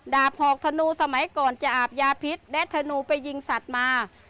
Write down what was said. ดาบหอกธนูสมัยก่อนจะอาบยาพิษและธนูไปยิงสัตว์มา